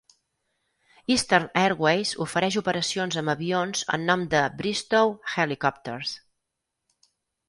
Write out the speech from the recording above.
Eastern Airways ofereix operacions amb avions en nom de Bristow Helicopters.